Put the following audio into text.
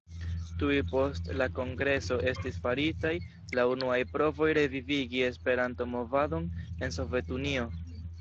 Tuj post la kongreso estis faritaj la unuaj provoj revivigi Esperanto-movadon en Sovetunio.